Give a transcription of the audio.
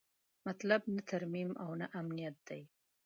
مطلب نه ترمیم او نه امنیت دی.